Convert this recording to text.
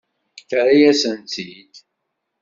Terra-yasen-tt-id?